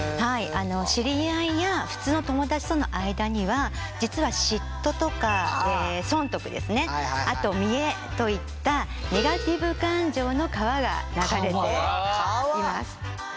知り合いや普通の友だちとの間には実は嫉妬とか損得ですねあと見栄といったネガティブ感情の川が流れています。